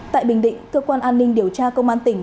tại bình định cơ quan an ninh điều tra công an tỉnh